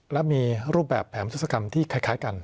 และมีรูปแบบแผนพุทธศกรรมที่คล้ายกัน